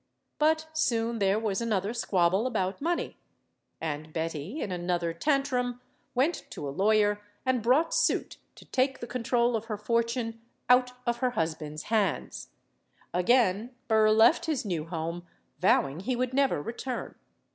But soon there was another squabble about money. And Betty, in another tantrum, went to a lawyer and brought suit to take the control of her fortune out of her husband's hands. Again Burr left his new home, vowing he would never return.